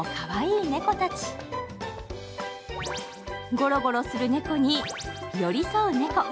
ゴロゴロする猫に、寄り添う猫。